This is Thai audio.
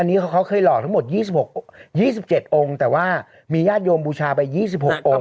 อันนี้เขาเคยหลอกทั้งหมด๒๗องค์แต่ว่ามีญาติโยมบูชาไป๒๖องค์